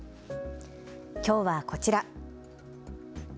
きょうはこちら。